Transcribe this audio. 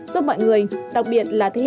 giúp mọi người đặc biệt là thế giới